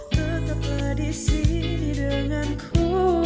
tetaplah disini denganku